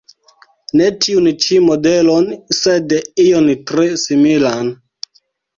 Ne tiun ĉi modelon, sed ion tre similan.